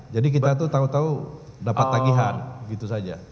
jadi kita tuh tahu tahu dapat tagihan begitu saja